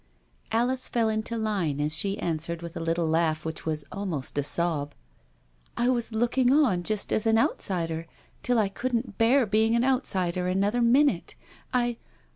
Alice fell into line as she answered with a little laugh which was almost a sob: *' I was looking on just as an outsider, till I couldn't bear being an outsider another minute — I.